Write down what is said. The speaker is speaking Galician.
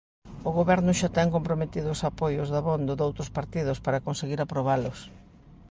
O Goberno xa ten comprometidos apoios dabondo doutros partidos para conseguir aprobalos.